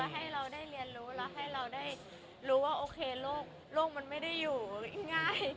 ให้เราได้เรียนรู้แล้วให้เราได้รู้ว่าโอเคโลกมันไม่ได้อยู่ง่าย